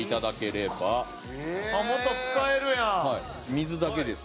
水だけです。